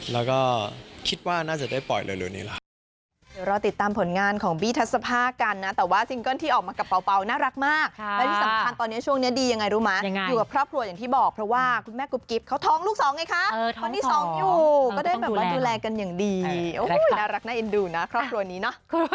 แล้วก็คิดว่าน่าจะได้ปล่อยเร็วนี้ล่ะ